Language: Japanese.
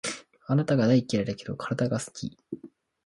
あなたが大嫌いだけど、体は好き